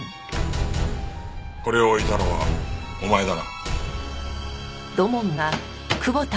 これを置いたのはお前だな？